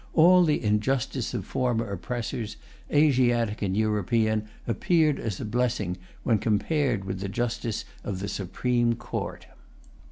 All the injustice of former oppressors, Asiatic and European, appeared as a blessing when compared with the justice of the Supreme Court.